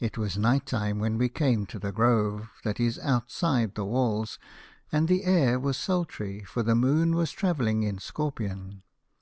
It was night time when we came to the grove that is outside the walls, and the air was sultry, for the Moon was travelling in Scorpion.